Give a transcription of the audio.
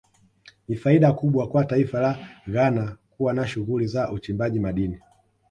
Ni faida kubwa kwa taifa la Ghana kuwa na shughuli za uchimbaji madini